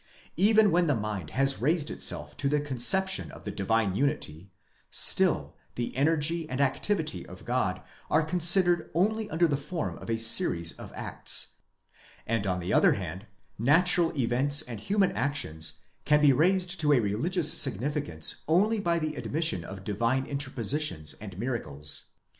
Even when the mind has raised itself to the con ception of the Divine unity, still the energy and activity of God are considered only under the form of a series of acts: and on the other hand, natural events and human actions can be raised to a religious significance only by the admission of divine interpositions and miracles.